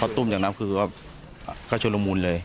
เขาตุ้มจากนั้นคือก็ชุดละมูลเลย